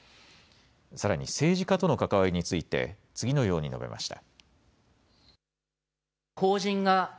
さらに政治家との関わりについて、次のように述べました。